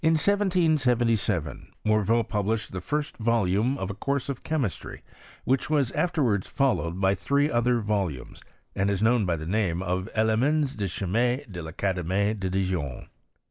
IjQ 1777 Morveau published the first volume of a course of chemistry, which was afterwards followed by three other volumes, and is known by the name of " Elemens de Chimie de TAcademie de Dijon."